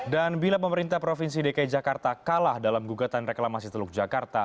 dan bila pemerintah provinsi dki jakarta kalah dalam gugatan reklamasi teluk jakarta